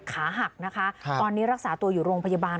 ขาหักนะคะตอนนี้รักษาตัวอยู่โรงพยาบาล